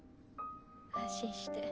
安心して。